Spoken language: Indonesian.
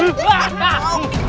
raden raden tungguin